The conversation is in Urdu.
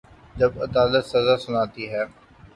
جب عدالت سزا سناتی ہے۔